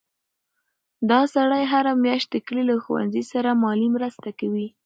دا سړی هره میاشت د کلي له ښوونځي سره مالي مرسته کوي.